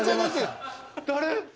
誰？